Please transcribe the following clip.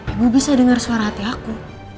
ibu bisa dengar suara hati aku